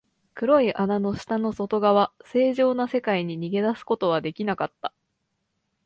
黒い穴の下の外側、正常な世界に逃げ出すことはできなかった。